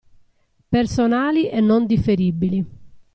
Personali e non differibili.